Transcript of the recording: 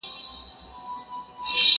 ټیک راسره وژړل پېزوان راسره وژړل!!